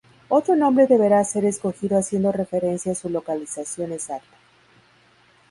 Otro nombre deberá ser escogido haciendo referencia a su localización exacta.